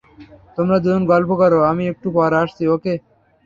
তোমরা দুজন গল্প করো আমি একটু পর আসছি, ওকে?